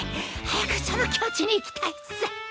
早くその境地に行きたいっす。